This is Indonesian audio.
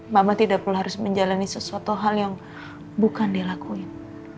mama tidak perlu harus menjalani sesuatu hal yang bukan dilakuin